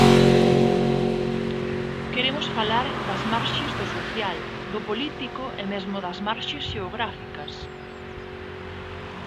Queremos falar das marxes do social, do político e mesmo das marxes xeográficas.